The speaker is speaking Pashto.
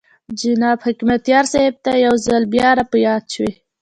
جناب حکمتیار صاحب ته یو ځل بیا را په یاد شوې.